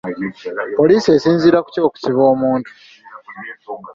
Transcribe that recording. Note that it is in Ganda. Poliisi esinziira ku ki okusiba omuntu?